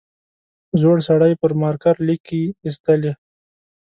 زوړ سړي پر مارکر ليکې ایستلې.